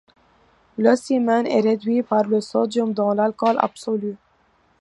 L'ocimène est réduit par le sodium dans l'alcool absolu.